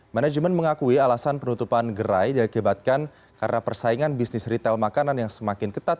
manajemen mengakui alasan penutupan gerai diakibatkan karena persaingan bisnis retail makanan yang semakin ketat